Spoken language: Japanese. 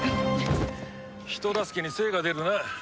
人助けに精が出るな。